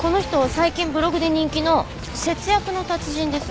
最近ブログで人気の節約の達人です。